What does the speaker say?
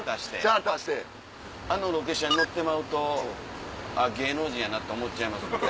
あのロケ車に乗ってまうとあっ芸能人やなって思っちゃいますもんね。